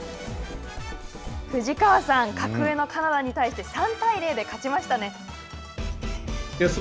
藤川さん、格上のカナダに対して３対０で勝ちましたね。